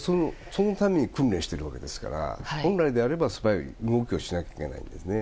そのために訓練しているわけですから本来であれば素早い動きをしなくてはいけないんですね。